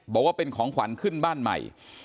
บอกว่าเป็นของขวัญขึ้นบ้านใหม่